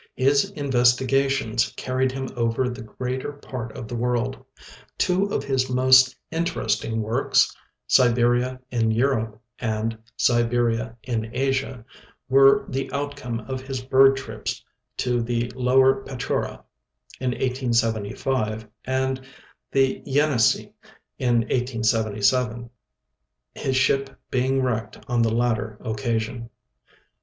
His investigations carried him over the greater part of the world. Two of his most interesting works, " Siberia in flurope " and " Siberia in Asia," were the outcome of his bird trips to the Lower Petchora in 1875 and the Yenisei in 1877, his ship being wrecked on the latter occasion.